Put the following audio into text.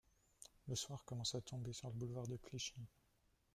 Le soir commence à tomber sur le boulevard de Clichy.